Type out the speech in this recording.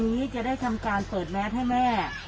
มีวิวมาสักการะบูชา